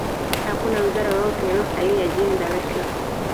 hakuna wizara yoyote iliyosalia jijini dar es salaam